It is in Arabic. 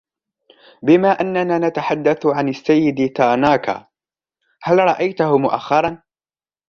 بما أننا نتحدث عن السيد تاناكا ، هل رأيته مؤخراً ؟